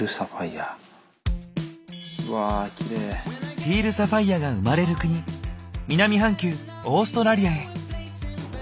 ティールサファイアが生まれる国南半球オーストラリアへ。